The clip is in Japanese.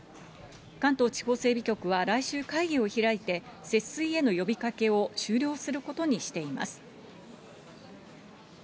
関東地方整備局は、来週会議を開いて、節水への呼びかけを終了することにしています。